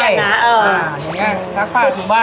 อย่างนี้ซักผ้าคุณบ้า